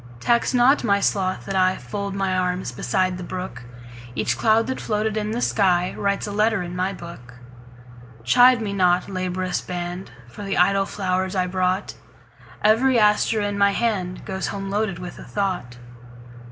Tax not my sloth that IFold my arms beside the brook; Each cloud that floated in the skyWrites a letter in my book. Chide me not, laborious band, For the idle flowers I brought; Every aster in my handGoes home loaded with a thought.